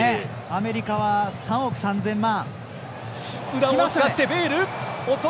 アメリカは３億３０００万。